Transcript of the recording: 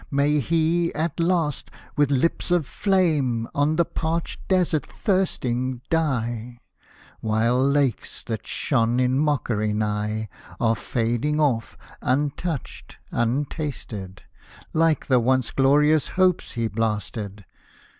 May he, at last, with lips of flame On the parched desert thirsting die,— Hosted by Google THE FIRE WORSHIPPERS 143 While lakes, that shone in mockery nigh, Are fading off, untouched, untasted, Like the once glorious hopes he blasted